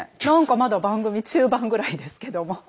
何かまだ番組中盤ぐらいですけども。